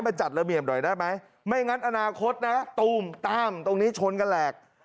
จัดระเบียบหน่อยได้ไหมไม่งั้นอนาคตนะตูมตามตรงนี้ชนกันแหลก